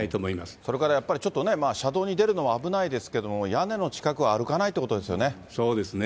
それからやっぱりちょっとね、車道に出るのは危ないですけど、屋根の近くは歩かないということですね。